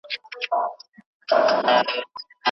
زما غویی که په منطقو پوهېدلای